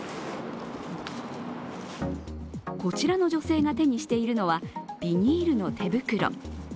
こちらの女性が手にしているのはビニールの手袋。